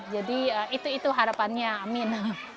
jadi itu itu harapannya amin